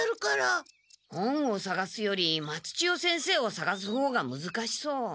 本をさがすより松千代先生をさがすほうがむずかしそう。